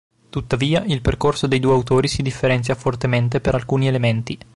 Tuttavia il percorso dei due autori si differenzia fortemente per alcuni elementi.